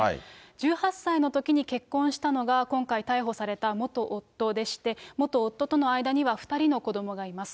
１８歳のときに結婚したのが、今回逮捕された元夫でして、元夫との間には２人の子どもがいます。